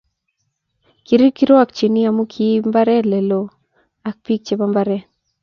Kikirwokchi amu kiib mbaret leloo ak bik chebo mbaret